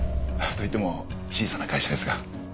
といっても小さな会社ですが。